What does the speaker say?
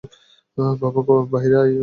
বাবা, বাইরে আয়।